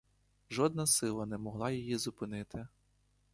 Жодна сила не могла її зупинити.